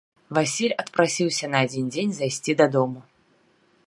Васіль адпрасіўся на адзін дзень зайсці дадому.